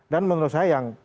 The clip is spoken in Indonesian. dan menurut saya yang